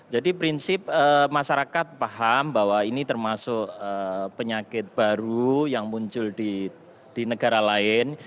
jadi prinsip masyarakat paham bahwa ini termasuk penyakit baru yang muncul di negara lain